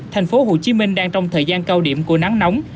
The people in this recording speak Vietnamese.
thành phố hồ chí minh đang trong thời gian cao điểm của nắng nóng